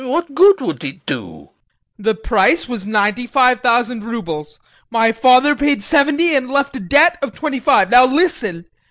What good would it do? VOITSKI. The price was ninety five thousand roubles. My father paid seventy and left a debt of twenty five. Now listen!